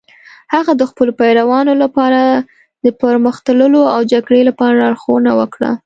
هغه د خپلو پیروانو لپاره د پرمخ تللو او جګړې لپاره لارښوونه وکړه.